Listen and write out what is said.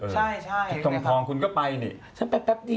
ฉันไปเป็นแปปแล้ว